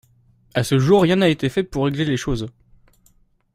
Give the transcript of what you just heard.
À ce jour, rien n’a été fait pour régler les choses.